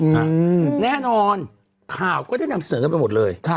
แน่นอนข่าวก็ได้นำเสนอกันไปหมดเลย